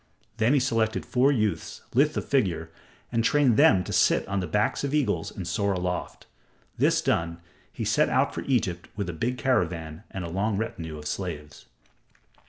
Then he selected four youths, lithe of figure, and trained them to sit on the backs of the eagles and soar aloft. This done, he set out for Egypt with a big caravan and a long retinue of slaves.